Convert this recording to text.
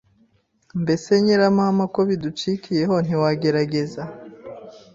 Mbese Nyiramama ko biducikiyeho ntiwagerageza